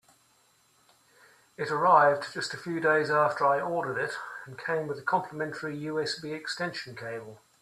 It arrived just a few days after I ordered it, and came with a complementary USB extension cable.